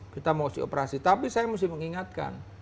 kita mesti operasi tapi saya mesti mengingatkan